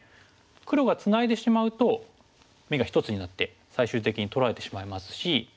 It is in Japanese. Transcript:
黒がツナいでしまうと眼が１つになって最終的に取られてしまいますし。